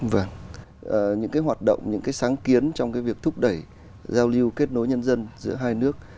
vâng những cái hoạt động những cái sáng kiến trong cái việc thúc đẩy giao lưu kết nối nhân dân giữa hai nước